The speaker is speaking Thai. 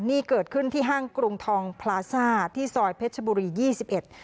นี่เกิดขึ้นที่ห้างกรุงทองพลาซ่าที่ซอยเพชรบุรียี่สิบเอ็ด